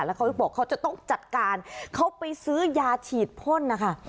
แล้วเขาบอกเขาจะต้องจัดการเขาไปซื้อยาฉีดพ่นนะคะ